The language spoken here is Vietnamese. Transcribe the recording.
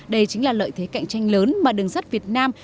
đây chính là lợi thế cạnh tranh lớn mà đường sắt việt nam